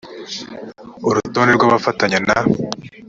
urutonde rw abafatanya na